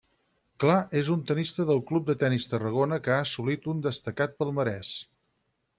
Clar és un tenista del Club de Tenis Tarragona que ha assolit un destacat palmarès.